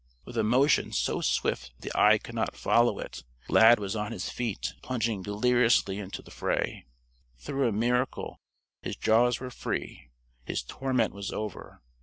With a motion so swift that the eye could not follow it, Lad was on his feet and plunging deliriously into the fray. Through a miracle, his jaws were free; his torment was over.